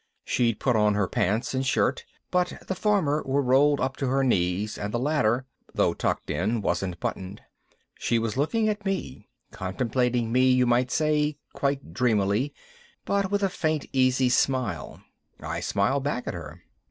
She'd put on her pants and shirt, but the former were rolled up to her knees and the latter, though tucked in, wasn't buttoned. She was looking at me, contemplating me you might say, quite dreamily but with a faint, easy smile. I smiled back at her.